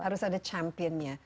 harus ada championnya